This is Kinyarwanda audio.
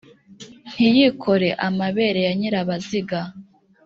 Ntiyikore amabere ya Nyirabaziga,